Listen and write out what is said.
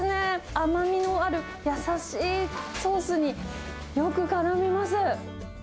甘みのある優しいソースに、よくからみます。